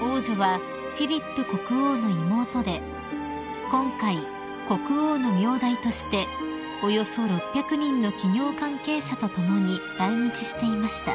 ［王女はフィリップ国王の妹で今回国王の名代としておよそ６００人の企業関係者と共に来日していました］